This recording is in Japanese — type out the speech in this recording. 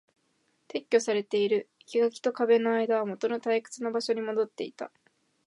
撤去されている。生垣と壁の間はもとの退屈な場所に戻っていた。